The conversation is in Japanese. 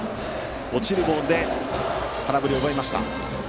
落ちるボールで空振りを奪いました。